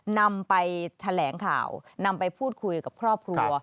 นำไปแถลงข่าวนำไปพูดคุยกับครอบครัว